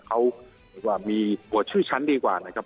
เขาว่ามีตัวชื่อชั้นดีกว่านะครับ